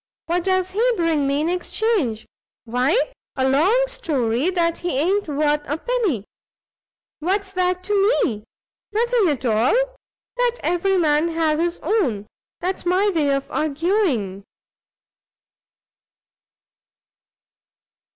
what does he bring me in exchange? why a long story that he i'n't worth a penny! what's that to me? nothing at all. Let every man have his own; that's my way of arguing."